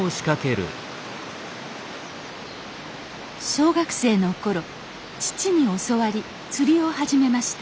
小学生の頃父に教わり釣りを始めました。